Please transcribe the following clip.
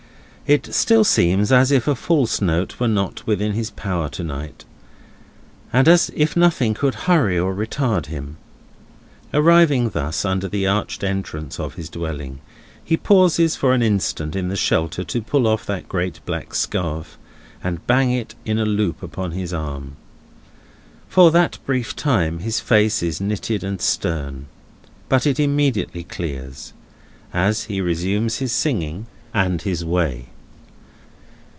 It still seems as if a false note were not within his power to night, and as if nothing could hurry or retard him. Arriving thus under the arched entrance of his dwelling, he pauses for an instant in the shelter to pull off that great black scarf, and bang it in a loop upon his arm. For that brief time, his face is knitted and stern. But it immediately clears, as he resumes his singing, and his way.